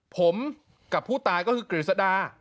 ผมกับผู้ตายก็คือกฤษดา